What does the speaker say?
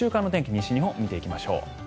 西日本、見てみましょう。